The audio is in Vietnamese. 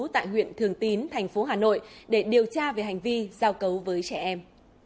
tại huyện thường tín thành phố hà nội để điều tra về hành vi giao cấu với trẻ em